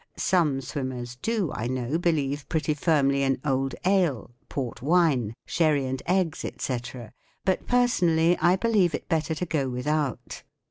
Some swimmers do, I know, believe pretty firmly in old ale, port wine, sherry and eggs, ett., but personally I believe it better to go without.